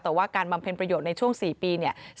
แต่ว่าการบำเพ็ญประโยชน์ในช่วง๔ปีเนี่ย